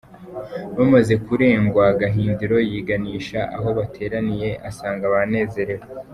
Bamaze kurengwa Gahindiro yiganisha aho bateraniye asanga banezerewe.